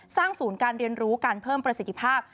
ศูนย์การเรียนรู้การเพิ่มประสิทธิภาพ